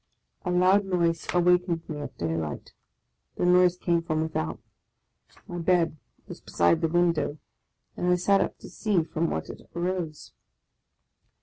A loud noise awakened me at daylight. The noise came from without ; my bed was beside the window, and I sat up to see from what it arose.